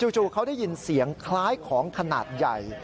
จู่เขาได้ยินเสียงคล้ายของขนาดใหญ่